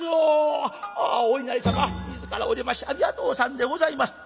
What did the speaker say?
「あっお稲荷様自らお出ましありがとうさんでございます」。